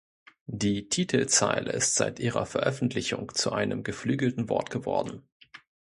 Die Titelzeile ist seit ihrer Veröffentlichung zu einem geflügelten Wort geworden.